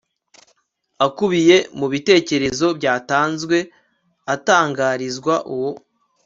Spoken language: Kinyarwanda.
akubiye mu bitekerezo byatanzwe atangarizwa uwo